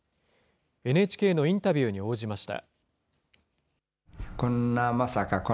ＮＨＫのインタビューに応じました。